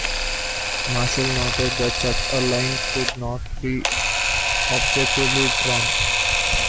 Marshall noted that such a line could not be objectively drawn.